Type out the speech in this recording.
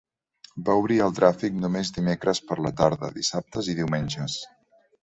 Va obrir al tràfic només dimecres per la tarde, dissabtes i diumenges.